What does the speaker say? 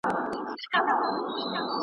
د بوټو تڼۍ تړې، ګله پر كومه راڅه ځې